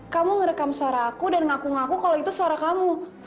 kamu ngerekam suara aku dan ngaku ngaku kalau itu suara kamu